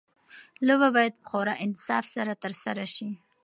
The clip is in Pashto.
لوبه باید په خورا انصاف سره ترسره شي.